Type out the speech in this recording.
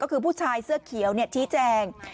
ก็คือผู้ชายเสื้อเขียวชี้แจง